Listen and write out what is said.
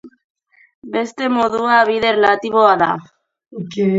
Beste modua, bide erlatiboa da.